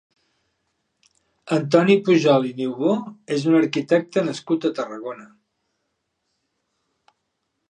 Antoni Pujol i Niubó és un arquitecte nascut a Tarragona.